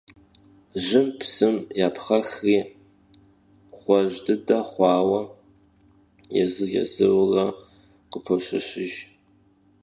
Jım, psım yapxhexri, ğuej dıde xhuaue yêzır - yêzırure khıpoşeşıjj.